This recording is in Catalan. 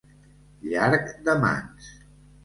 Llarg de mans.